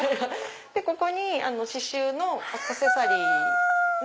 ここに刺しゅうのアクセサリーの。